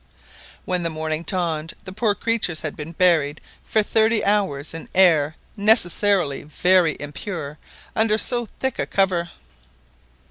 When morning dawned the poor creatures had been buried for thirty hours in air necessarily very impure under so thick a cover.